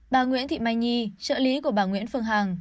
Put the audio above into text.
bà nguyễn thị mai nhi trợ lý của bà nguyễn phương hằng